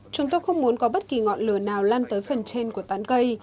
chúng tôi không muốn có bất kỳ ngọn lửa nào lan tới phần trên của tán cây